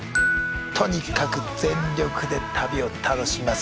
とにかく全力で旅を楽しみます